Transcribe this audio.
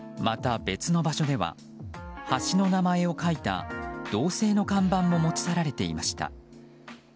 また、別の場所では橋の名前を書いた銅製の看板も持ち去られていました。